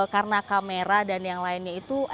karena kamera dan yang lainnya itu